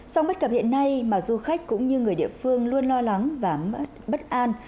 sau bất cập hiện nay mà du khách cũng như người địa phương luôn lo lắng và bất an